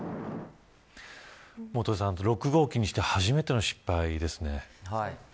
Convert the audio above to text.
６号機にして初めての失敗ですね。